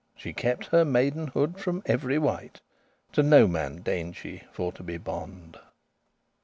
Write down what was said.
She kept her maidenhood from every wight, To no man deigned she for to be bond.